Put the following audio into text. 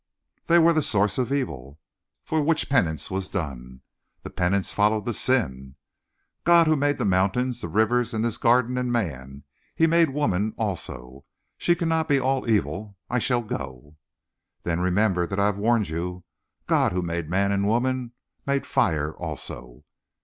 "They were the source of evil." "For which penance was done." "The penance followed the sin." "God, who made the mountains, the river and this garden and man, He made woman also. She cannot be all evil. I shall go." "Then, remember that I have warned you. God, who made man and woman, made fire also."